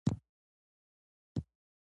یا هم دیني باورونه یې سره جلا دي.